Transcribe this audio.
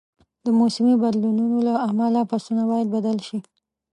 د موسمي بدلونونو له امله فصلونه باید بدل شي.